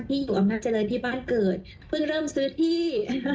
อยู่อำนาจเจริญที่บ้านเกิดเพิ่งเริ่มซื้อที่